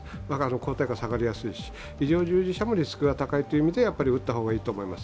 抗体価が下がりやすいし医療従事者もリスクが高いので打った方がいいと思います。